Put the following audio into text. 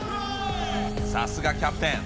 さすがキャプテン。